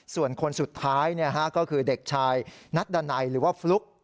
ส่วนคนสุดท้ายก็คือเด็กชายนัดดันัยหรือว่าฟลุ๊ก